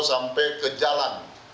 sampai ke jalan